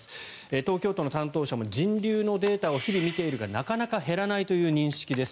東京都の担当者も人流のデータを日々見ているが、なかなか減らないという認識です。